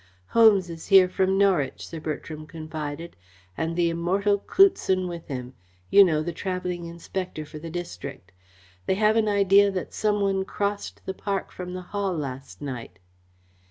"Holmes is here from Norwich," Sir Bertram confided, "and the immortal Cloutson with him you know, the travelling inspector for the district. They have an idea that some one crossed the park from the Hall last night."